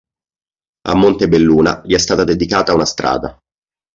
A Montebelluna gli è stata dedicata una strada.